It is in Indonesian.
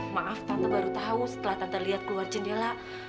maaf tante baru tahu setelah tante lihat keluar jendela